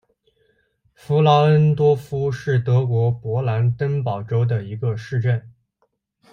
弗劳恩多夫是德国勃兰登堡州的一个市镇。